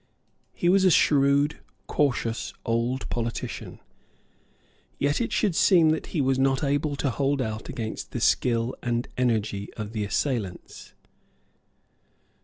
He was a shrewd, cautious, old politician. Yet it should seem that he was not able to hold out against the skill and energy of the assailants.